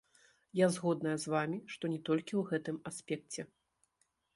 Я згодная з вамі, што не толькі ў гэтым аспекце.